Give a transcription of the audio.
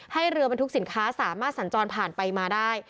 เรือบรรทุกสินค้าสามารถสัญจรผ่านไปมาได้